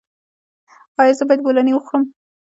ایا زه باید بولاني وخورم؟